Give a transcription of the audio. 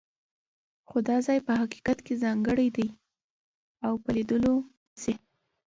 خو دا ځای په حقیقت کې ځانګړی دی او په لیدلو ارزي.